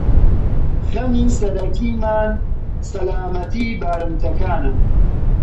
خەمی سەرەکیمان، سەلامەتیی بارمتەکانە.